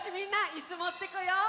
いすもってこよう！